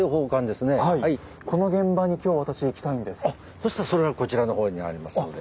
そしたらそれはこちらの方にありますので。